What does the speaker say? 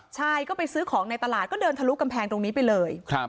ใช่ก็ไปซื้อของในตลาดก็เดินทะลุกำแพงตรงนี้ไปเลย